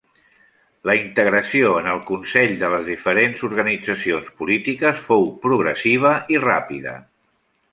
La integració en el Consell de les diferents organitzacions polítiques fou progressiva i ràpida.